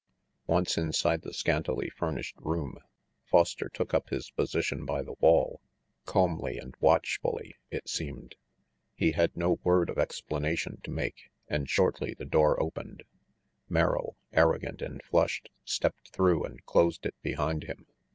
Once inside the scantily furnished room, Foster took up his position by the wall, calmly and watch fully, it seemed. He had no word of explanation to make and shortly the door opened. Merrill, arrogant and flushed, stepped through and closed it behind him.